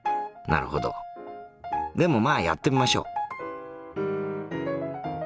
でもまあやってみましょう。